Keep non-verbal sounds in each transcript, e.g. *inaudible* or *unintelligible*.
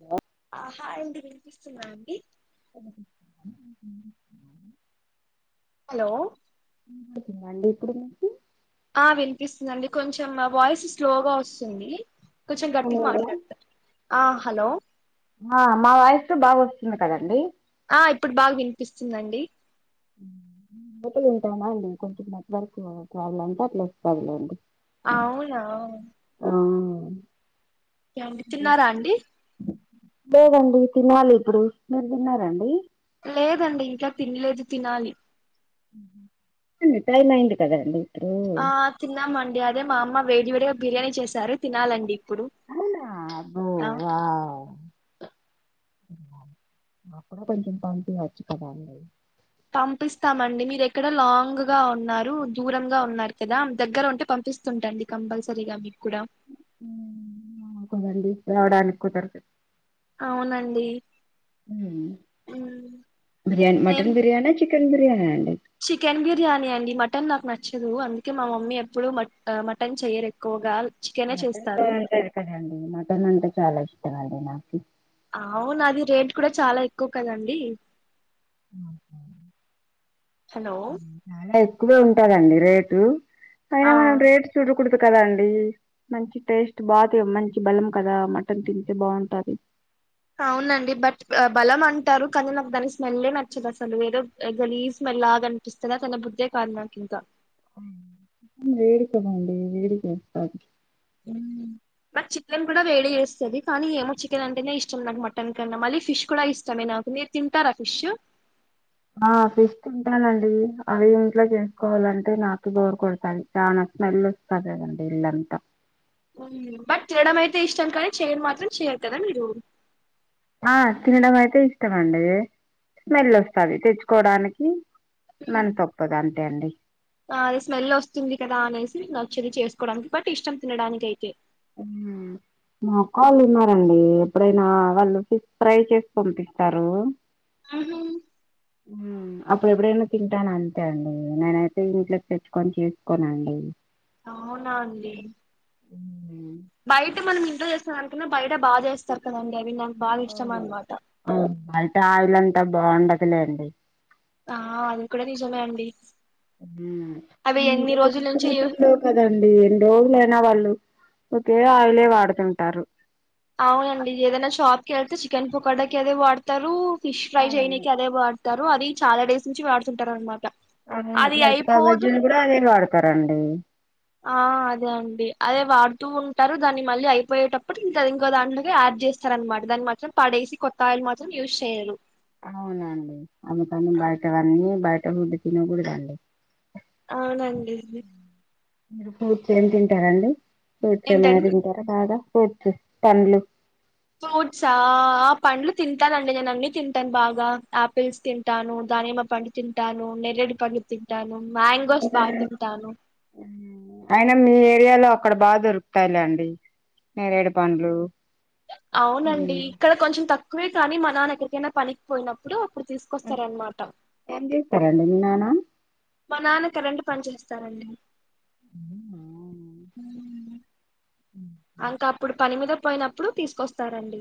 Hello ఆహా అండి వినిపిస్తున్ద అండి హలో *inaudible* ఇప్పుడు మీకీ ఆ వినిపిస్తుందన్డి కొంచెం ఆ వాయిస్ స్లోగా వస్తుంది కొంచెం గట్టిగా అవునా మాట్లాడ్తార ఆ హలో ఆ మా వాఇస్సు బాగొస్తుంది కదండి ఆ ఇప్పుడు బా వినిపిస్తుందండి *inaudible* కొంచెం నెట్వర్క్ ప్రబ్లమ్ అంటే అట్లొస్తాదిలెండి అవునా ఆ ఏవండీ తిన్నారా అండి లేదండి తినాలి ఇప్పుడు మీరు తిన్నారాండి లేదండి ఇంకా తినలేదు తినాలి రిటైర్లు అయిండు కదండి ఇప్పుడు ఆ తిన్నామండి అదే మా అమ్మ వేడి వేడిగా బిర్యానీ చేసారు తినాలండి ఇప్పుడు అవునా అబ్బో ఆ వావ్ మాక్ కూడా కొంచం పంపియోచ్ కదా అండి పంపిస్తామండి మీరు ఎక్కడ లాంగ్ గా ఉన్నారు దూరంగా ఉన్నారు కదా దగ్గర ఉంటే పంపిస్ టండి కంపల్సరీగా మీక్ కూడా హ్మ్ కదండి రావడానికి కుదరదు అవునండి హ్మ్ ఉమ్, బిర్యాన్ ఏం మటన్ బిర్యాన చికెన్ బిర్యనా అండి చికెన్ బిర్యానీ అండి మటన్ నాకు నచ్చదు అందుకే మా మమ్మీ ఎప్పుడుూ మట్ మటన్ చెయరు ఎక్కువగా చికెనే మటన్ చేస్తారు బాగుంటది కదండి మటన్ అంటే చాలా ఇష్టమ్ అండి నాకు అవును అది రేట్ కూడా చాలా ఎక్కువ కదండి అ హలో చాలా ఎక్కువే ఉంటదండి రేటు పైన ఆ మనం రేటు చూడకూడదు కదన్డి మంచి టేస్ట్ బా తె మంచి బలం కదా మటన్ తింటే బావుంటది అవునండి బట్ ఆ బలం అంటారు కానీ నాకు దాని స్మెలె నచ్చదు అసలు ఏదో య్ గలీస్ స్మెల్ లాగా అన్ చూస్తనే తినబుద్దే కాద్ నాకింకా వేడికమండి వేడి చేస్తాది హ్మ్ బట్ చికెన్ కూడా వేడి చేేస్తది కానీ ఏమో చికెన్ అంటేనే ఇష్టం నాకు మటన్ కన్నా మళ్ళీ ఫిష్ కూడా ఇష్టమే నాకు మీక్ తింటరా ఫిష్ ఆ ఫిష్ తింటానండి అవి ఇంట్లో చేసుకోవాలంటే నాకు బోర్ కొడతాయి చానా స్మెల్ వస్తది కదండి ఇల్లాంత బట్ తినడం అయితే ఇష్టం కానీ చేయరు మాత్రం చేయరు కదా మీరు ఆ తినడం అయితే ఇష్టమండి స్మెల్ వస్తది తెచ్చుకోడానికి ఉమ్ మన తొప్పదంతే అండి ఆ అది స్మెల్ వస్తుంది కదా అనేసి నచ్చదు చేసుకోవడానికి బట్ ఇష్టం తినడానికయితే ఉ మా క్క వాళ్ళు ఉన్నారండి ఎప్పుడైనా వాళ్ళు ఫిష్ ఫ్రై చేసి పంపిస్తారు ఉహు ఉ అప్పుడు ఎప్పుడైనా తింటాను అంతే అండి నేనైతే ఇంట్లోకి తెచ్చుకొని చేసుకోనండి అవునా అండి ఉ బయట మనం ఇంట్లో చేసిన దానికన్నా బయట బాగా చేస్తారు కదండి అవి న అంటే ఆయిలంతా బావుండదులేండి ఆ అది కూడా నిజమే అండి ఉ అవి ఎన్ని రోజుల నుంచి యూ- *unintelligible* కదండి ఎన్ని రోజులైనా వాళ్ళు ఒకే ఆయిలే వాడుతుంటారు అవు అండి ఏదైనా షాప్ కి ఐతే చికెన్ పొకాడాకి అదే వాడతారు ఫిష్ ఫ్రై అవును. చేయనికి అదే వాడ్ తరు అది చాలా డేస్ నుంచి వాడుతుంటారు అనమాట అవును అది మిరపకాయ అయిపోదు బజ్జీ ని కూడా అవే వాడతారండి ఆ అదే అండి అదే వాడుతూ ఉంటారు దాన్ని మళ్ళీ అయిపోయేటప్పుడు ఇంక అది ఇంకోదాని మీద యాడ్ చేస్ ర దనమాట దాన్ని మాత్రం పడేసి కొత్త ఆయిలు మాత్రం యూస్ చేయరు అవునండి అవి తను బయటవన్నీ బయట ఫుడ్డు తినకూడదండి అవునండి మీరు ఫ్రూట్స్ని ని తింటారండి ఫ్రూట్స్మనా ఏంటండి తింటార బాగా ఫ్రూట్స్ పండ్లు ఫ్రూట్సా ఆ పండ్లు తింటానండి నేను అన్ని తింటాను బాగా ఆపిల్స్ తింటాను దానిమ పండు తింటాను నెర్రెడు పళ్లు తింటాను మ్యాంగోస్ బా తింటాను అయినా మీ ఏరియాలో అక్కడ బాగా దొరుకుతాయిలండి నేరెడు పండ్లు అవునండి ఇక్క కొంచెం తక్కువే కానీ మా నాన్న ఎక్కడికైనా పనికి పోయినప్పుడు అప్పుడు తీసుకొస్తారనమాట ఏం చేస్తారండి మీ నాన్న మా నాన్న కరెంట్ పని చేస్తారండి అంక అప్పుడు పని మీద పోయినప్పుడు తీసుకొస్తారండి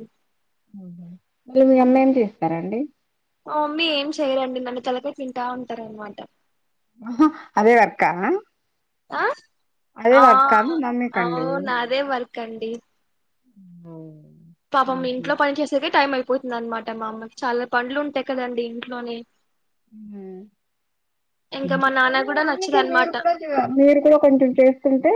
మేము పన్నంక ఎస్తారండి మ మమ్మీ ఏం చేయరండి మన తలకాయ తింటా ఉంటారనమాట ఉహు అదే వర్కా ఆ అదే ఆ వర్కా మీ మమ్మీకండి అవును అదే వర్కండి ఉ పాపం ఇంట్లో పని చేసేకే టైం అయిపోతుందనమాట మా అమ్మకి చాలా పండ్లు ఉంటాయి కదండి ఇంట్లోనే ఇంకా మా నాన్న కూడా నచ్చదు అందుకే మీరు అనమాట కూడా మీరు కూడా కొంచెం చేస్తుంటే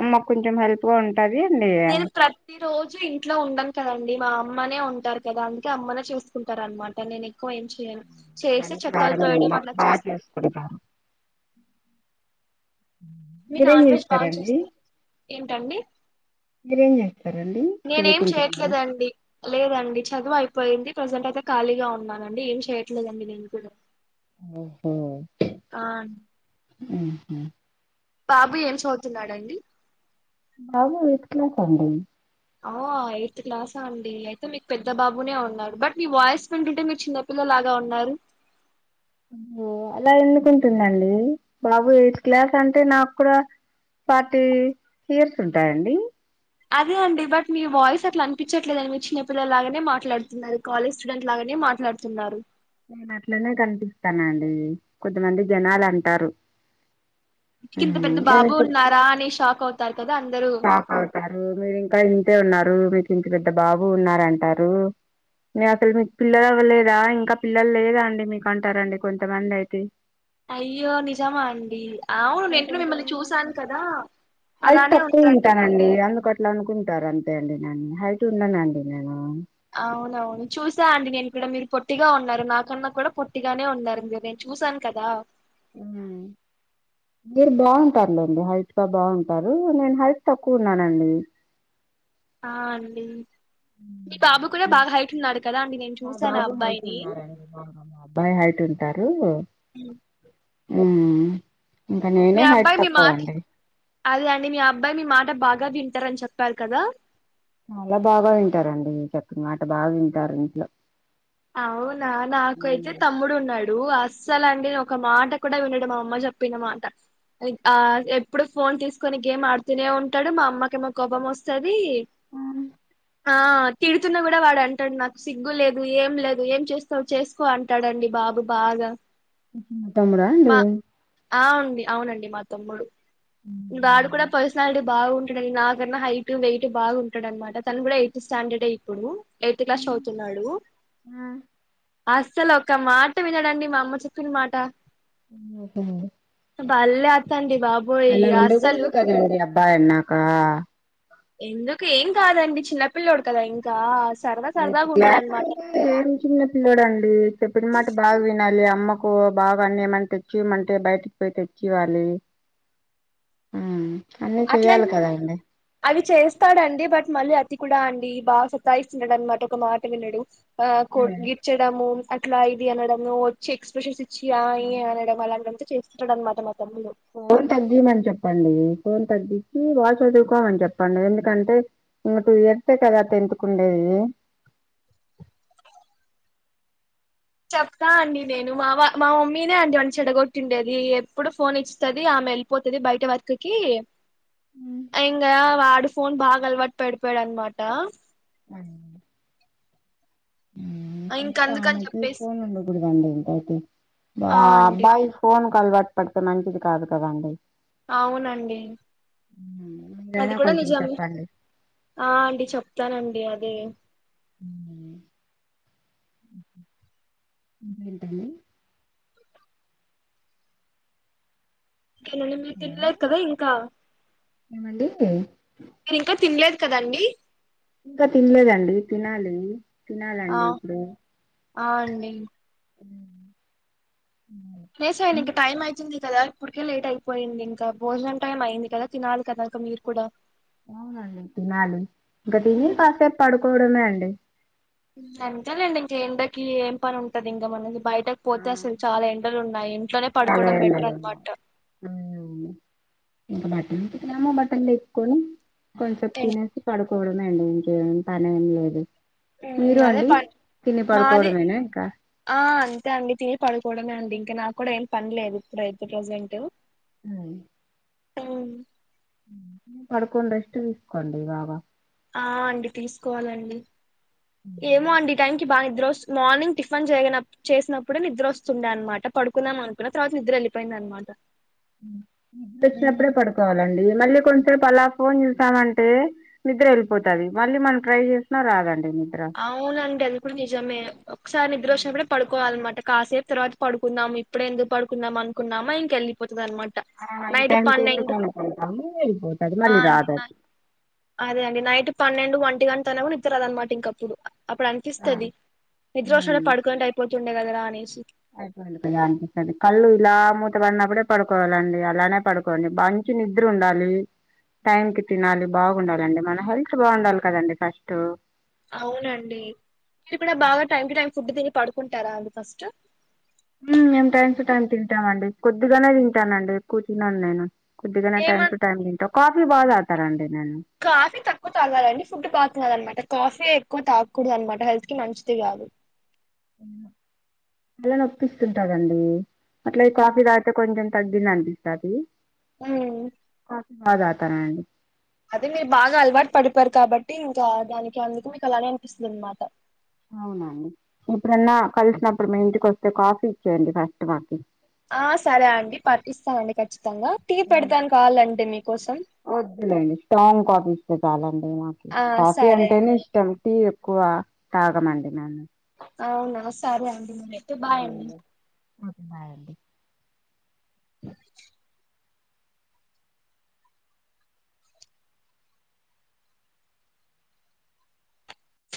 అమ్మకు కొంచెం హెల్ప్ గా ఉంట్ టది అండి నేను ప్రత్ ఈ రోజు ఇంట్లో ఉండను కదండి మా అమ్మనే ఉంటారు కదా అందుకే అమ్మనే చూసుకుంటారు అనమాట నేను కువ ఏం చేయను చేసి మంచి చెత్తలు కారం మే తోయడం అమ్మ అట్లా బా చేస్తా చేసుకోండి వారం కారం మీర్ నాన్ వెజ్ బాగా చేస్తారు ఏంటండి మీరేం చేస్తారండి నేనేం చదువుకుంటున్నార చేయట్లేదండి లేదండి చదువు అయిపోయింది ప్రెజెంట్ అయితే ఖాళీగా ఉన్నానండి ఏం చేయట్లేదండి నేను కూడా ఓహో ఆ ఊహు బాబు ఏం చదువుతున్నాడండి బాబ ఎయిత్ క్లాస్ అండి ఆ ఎయిత్ క్లాస అండి అయితే మీకు పెద్ద బాబునే ఉన్నాడు బట్ మీ వాయిస్ వింటుంటే మీరు చిన్నపిల్లలాగా ఉన్నారు ఓ అలా ఎందుకుంటుందండి బాబు ఎయిత్ క్లాస్ అంటే నాకు కూడా ఫార్టీ ఇయర్స్ ఉంటాయండి అదే అండి బట్ మీ వాయిస్ అట్ల అనిపిచట్లేదండి మీరు చిన్న పిల్లలానే మాట్లాడుతున్నారు కాలేజ్ స్టూడెంట్ లాగానే మాట్లాడు తున్నారు నేను అట్లనే కనిపిస్తానండి కొంతమంది జనాలు అంటారు కింత ఉమ్, పెద్ద నేను బాబు ఉన్నారా అని షాక్ అవుతారు కదా అందరు తారు మీరు ఇంకా ఇంతే ఉన్నారు మీకు ఇంత పెద్ద బాబు ఉన్నార అంటారు నకే మీకు పిల్లలు అవ్వలేదా ఇంకా పిల్లలు లేదా అండి మీకు అంటారండి కొంతమంది అయితే అయ్యో నిజమా అండి అవును నేను కూడా కొంచం మిమ్మల్ని చూసాను కదా హైట్ అలానే తక్కువ ఉంటారండి ఉంటానండి అందుకని అట్లా అనుకుంటారు అంతే అండి నన్ హైట్ ఉండనండి నేను అవునవును చూసా అండి నేను కూడ మీరు పొట్టిగా ఉన్నారు నాకన్నా కూడా పొట్టిగానే ఉన్నారు మీరు రె చూసాను కదా ఊ మీరు బాగుంటారులేండి హైట్గా బాగుంటారు నేను హైట్ తక్కువ ఉన్నానండి ఆ అండి మీ బాబు కూడా ఊ బాగా హైట్ ఉన్నాడు కదా అండి నేను మా చూసాను ఆ బాబు హైట్ అబ్బాయిని ఉన్నారండి మా అబ్బాయి హైట్ ఉంటారు ఉ ఊ ఇంకా మీ నేనే హైట్ అబ్బాయి మీ మాట తక్కువండి అదే అండి మీ అబ్బాయి మీ మాట బాగా వింటారని చెప్పారు కదా చాలా బాగా వింటారండి చెప్పిన మాట బాగా వింటారు ఇంట్లో అవునా నాకైతే హ్మ్. తమ్ముడు ఉన్నాడు డు అస్సలు అండి ఒక మాట కూడా వినడు మా అమ్మ చెప్పిన మాట ఆ ఎప్పుడు ఫోన్ తీసుకొని గేమ్ ఆడుతూనే ఉంటాడు మా అమ్మకేమో కోపం వస్తది అవును ఆ తిడుతున్న కూడా వాడు అంటడు నాకు సిగ్గు లేదు ఏం లేదు ఏం చేస్తావు చేసుకో అంటడండి బాబు బాగా తమ్ముడా అండి మా ఆ అండి అవునండి మా తమ్ముడు ఊ వాడు కూడా పర్సనాలిటీ బాగు ఉంటడండి నా కన్నా హైట్ వెయిట్ బాగు ఉంటడనమాట తను కూడా ఎయి స్టాండర్డే ఇప్పుడు ఎయిత్ క్లాస్ చదుతున్నాడు ఆ! అస్సలు ఒక మాట వినడండి మా అమ్మ చెప్పిన మాట ఓహో! బలెత్తండి బాబోయ్ అలా అస్సలు ఉండకుడుదు కదండి అబ్బాయన్నాక ఎందుకు ఏం కాదండి చిన్నపిల్ల్లోడు కదా ఇంకా సరదా సరదాగా ఉంటాడన్మాట ఎం చిన్న పిల్లోడండి చెప్పిన మాట బాగా వినాలి అమ్మకు బాగ్ అన్ని ఏమన్ తెచ్చియమంటే బయట్ పోయి తెచ్చి ఇవ్వాలి ఉమ్ అన్నీ చెయ్యాలి కదా అండి అది చేస్తాడండి బట్ మళ్ళీ అతి కూడా అండి బాగా సతాఇస్తున్నడన్మాట ఒక మాట వినడు ఆ కొ గిచ్చడము అట్లా ఇది అనడము వచ్చి ఎక్స్ప్రెషన్స్ చ్చి అ ఈ అనడం అలాంటింతే చేస్తున్నాడన్మాట మా తమ్ముడు ఫోన్ తగ్గిమని చెప్పండి ఫోన్ తగ్గించి బాగ్ చదువుకోమని చెప్పండి ఎందుకంటే నువ్ ఇప్పుడు చెప్తే కదా టెంత్ కుండేది చెప్తా అండి నేను మా వ మా మమ్మీనే అండి మన చెడగొట్టిండేది ఎప్పుడు ఫోన్ ఇస్తది ఆమెల్ పోతది బయట వర్కుకి *unintelligible* *inaudible* అ ఇంగా వాడు ఫోన్ బాగా అలవాటు పడిపోయాడన్మాట అవునండి ఇంక అందుకని ఆమెకి చెప్పేసి ఫోన్ ఉండకూడదండి *unintelligible* ఆ అబ్బాయి ఫోన్కల్ వాట్ పడ్తే మంచిది కాదు కదండి అవునండి అది మీరైనా కూడా కొంచెం నిజం చెప్పండి ఆ అండి చెప్తానండి అదే ఎంటండి మీర్ హలో తిన్లేదు కదా ఇంకా ఏమండి మీర్ ఇంకా తిన్లేదు కదండి ఇంకా తిన్లేదండి తినాలి ఆ తినాలండి ఇప్పుడు ఆ అండి ఉ సేసేయండి ఇంక టైమ్ అయితుంది కదా ఇప్పుడికే లేట్ అయిపోయింది ఇంకా భోజనం టైం అయింది కదా తినాలి కదా అక్క మీర్ కూడా అవునండి తినాలి ఇంకా తిని కాసేపు పడుకోవడమే అండి అంతె లెండి ఇంక ఎండకి ఏం పని ఉంటది ఇంకా మనకి బయటక్ పోతే అసల్ చాలా ఎండలు ఉ న్నాయి ఇంట్లోనే పడుకోవడం బెట్ర్ అన్మాట ఉమ్ ఇంకా బట్టల్ ఉతికినమా బట్టల్ లేప్కొని కొంచేపు తినేసి పడుకోడమండి ఇంకేం పనేం లేదు ఉమ్ మీరు అదే అండి ప తిని మాది పడుకోవడమేనా ఇంకా ఆ అంతే అండి తినిగి పడుకోవడమే అండి ఇంకా నాకు కూడా ఏం పనిలేదు ఇప్పుడైతే ప్రజెంట్ హు ఉమ్ పడుకోని రెస్ట్ తీసుకోండి బాగా ఆ అండి తీసుకోవాలండి ఏమో అండి టైంక్ బాగా నిద్రొ మార్నింగ్ టిఫిన్ చేయగన చేసినప్పుడే నిద్రోస్తుండే అన్మాట పడుకుందాం అనుకున్నా తర్వాత నిద్ర ఎళ్ళిపోయిందన్మాట నిద్రొచ్చినప్పుడే పడుకోవాలండి మళ్ళీ కొంచేసేపు అలా ఫోన్ చూసామంటే నిద్రేళ్ళిపోతది మళ్ళీ మనం ట్రై చేసినా రాదండి నిద్ర అవునండి అది కూడా నిజమే ఒక్సారి నిద్రోచ్చినప్పుడే పడుకోవాలిన్నమాట కాసేపు తర్వాత పడుకుందాం ఇప్పుడే ఎందుకు పడుకుందం అనుకున్నామా ఇంకెళ్ళిపోతదన్మాట ఆ ఈ టైమ్కి ఎందుకు అనుకుంటాము ఎల్లిపోతది ఆ మళ్ళీ అండి నై రాదది అదే అండి నైట్ పన్నెండు, వంటి గంట అయిన కూడా నిద్దర్రాదనమాట ఇంకప్పుడు అప్పుడు అనిపిస్తది నిద్రోశుంటే ఉమ్ పడుకుంటే అయిపోతుండే కదరా అనేసి కళ్ళు ఇలా మూత పడినప్పుడే పడుకోవాలండి అలానే పడుకోండి మన్ చి నిద్రూండాలి టైం కి తినాలి బాగుండాలండి మన హెల్త్ బాగుండాలి కదండి ఫస్ట్ అవునండి మీరు కూడ బాగా టైమ్ టు టైమ్ ఫుడ్ తిని పడుకుంటారా అండి ఫస్ట్ మేం టైం టు టైమ్ తింటామండి కొద్దిగనే తింటానండి ఎక్కువ తినను నేను కొద్దిగనే టైమ్ ఏమం టు టైం తింట కాఫీ బాగా తాగుతారండి నేను కాఫీ తక్కువ తాగాలండి ఫుడ్ బా తినాలన్నమాట కాఫీ ఎక్కువ తాక్కుడదన్నమాట హెల్త్ కి మంచిది కాదు తల నొప్పిస్తుంటదండి అట్ల ఇ కాఫీ తాగితే కొంచెం తగ్గిందనిపిస్తాది ఉమ్ బాగ తాగుతాన అండి అది మీరు బాగ అలవాటు పడిపోయారు కాబట్టి ఇంకా దానికి అందుకు మీకలానే అనిపిస్తదన్నమాట అవునా అండి ఎప్పుడన్నా కలిసినప్పుడు మీ ఇంటికొస్తే కాఫీ ఇచ్చేయండి ఫస్ట్ మాకి ఆ సరే అండి పట్టిస్తామండి ఖచ్చితంగా టీ పెడతాను కావాలంటె మీకోసం వద్దులేండి స్ట్రాంగ్ కాఫీ ఇస్తే చాలండి మాకి ఆ కాఫీ సరే అండి అంటేనే ఇష్ టం టీ ఎక్కువ తాగమండి మేము అవునా సరే అండి మరి ఓకె బాయండి అ